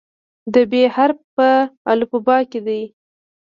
د "ب" حرف په الفبا کې دی.